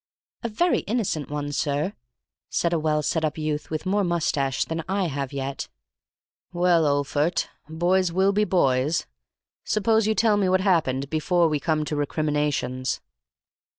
"A very innocent one, sir," said a well set up youth with more moustache than I have yet. "Well, Olphert, boys will be boys. Suppose you tell me what happened, before we come to recriminations."